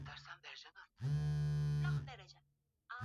Heshima iliyopo miongoni mwa jamii husaidia watu kuwa na maendeleo